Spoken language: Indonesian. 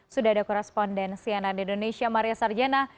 sudah ada koresponden cnn indonesia maria sarjana